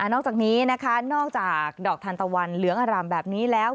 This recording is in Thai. นอกจากนี้นะคะนอกจากดอกทานตะวันเหลืองอร่ำแบบนี้แล้ว